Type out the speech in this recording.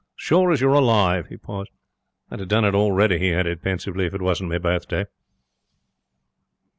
Sure as you're alive.' He paused. 'I'd have done it already,' he added, pensively, 'if it wasn't me birthday.'